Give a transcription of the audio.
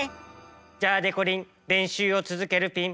じゃあでこりんれんしゅうをつづけるピン！